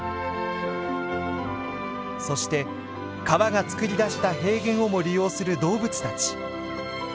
そして川が作り出した平原をも利用する動物たち。